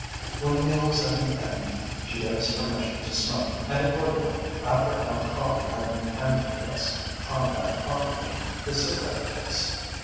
When the meal was at an end she gave us permission to smoke, and accordingly, after our coffee had been handed to us, Conrad proffered me his cigarette case.